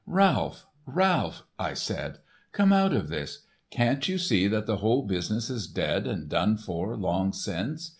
"Ralph, Ralph," I said, "come out of this. Can't you see that the whole business is dead and done for long since?